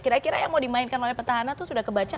kira kira yang mau dimainkan oleh petahana itu sudah kebaca